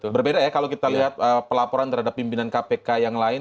berbeda ya kalau kita lihat pelaporan terhadap pimpinan kpk yang lain